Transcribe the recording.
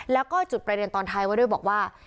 แล้วก็จุดประเด็นตอนท้ายไว้ด้วยบอกว่า